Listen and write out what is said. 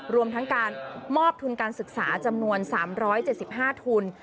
รวมทั้งการมอบทุนการศึกษาจำนวน๓๗๕ทุน